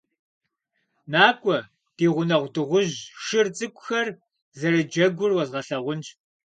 НакӀуэ, ди гъунэгъу дыгъужь шыр цӀыкӀухэр зэрыджэгур уэзгъэлъагъунщ!